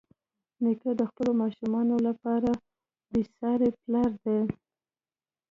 نیکه د خپلو ماشومانو لپاره یو بېساري پلار دی.